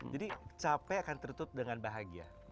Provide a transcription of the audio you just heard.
jadi capek akan tertutup dengan bahagia